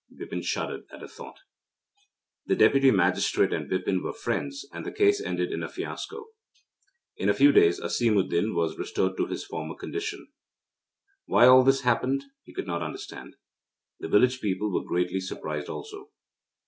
Bipin shuddered at the thought. The Deputy Magistrate and Bipin were friends, and the case ended in a fiasco. In a few days Asimuddin was restored to his former condition. Why all this happened, he could not understand. The village people were greatly surprised also.